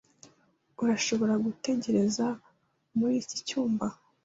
Urashobora gutegereza muri iki cyumba.